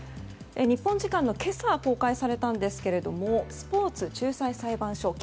日本時間の今朝公開されたんですがスポーツ仲裁裁判所。